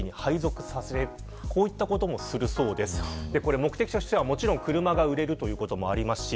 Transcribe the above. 目的としてはもちろん車が売れるということもありますし